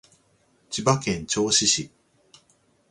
千葉県銚子市